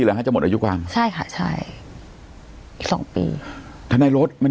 หรอฮะจะหมดอายุความใช่ค่ะใช่อีกสองปีทานายลดมัน